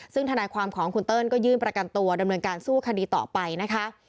ซึ่งธนายความของคุณเติ้ลก็ยื่นประกันตัวดำเนินการสู้คดีต่อไปนะคะ